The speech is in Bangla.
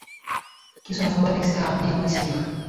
কিছু না, সবাই দেখছে আপনি আমাদের সিনিয়র।